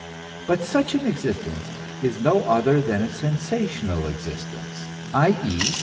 But such an existence is no other than a sensational existence; i.e.